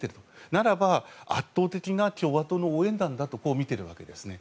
ならば、圧倒的な共和党の応援団だとみているわけですね。